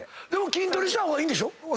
筋トレした方がいいんでしょ？